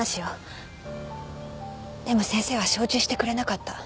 でも先生は承知してくれなかった。